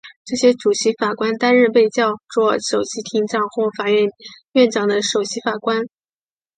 这些主席法官担任被叫作首席庭长或法院院长的首席法官。